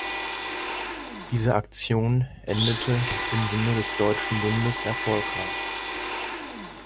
Diese Aktion endete im Sinne des Deutschen Bundes erfolgreich.